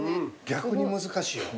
逆に難しいよ。